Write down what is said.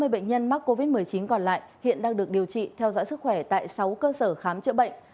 hai mươi bệnh nhân mắc covid một mươi chín còn lại hiện đang được điều trị theo dõi sức khỏe tại sáu cơ sở khám chữa bệnh